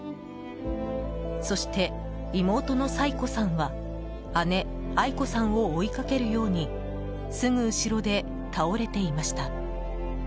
そして妹の彩子さんは姉・愛子さんを追いかけるようにすぐ後ろで倒れていました。